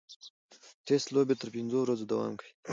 ټېسټ لوبې تر پنځو ورځو دوام کوي.